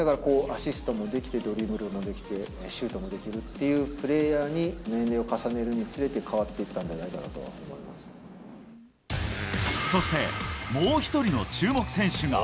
だからアシストもできて、ドリブルもできて、シュートもできるっていうプレーヤーに、年齢を重ねるにつれて変わっていったんじゃそして、もう１人の注目選手